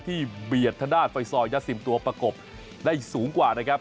เบียดทางด้านไฟซอยยัด๑๐ตัวประกบได้สูงกว่านะครับ